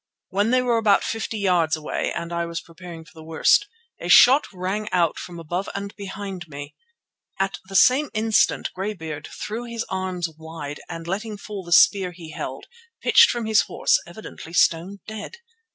When they were about fifty yards away and I was preparing for the worst, a shot rang out from above and behind me. At the same instant Greybeard threw his arms wide and letting fall the spear he held, pitched from his horse, evidently stone dead.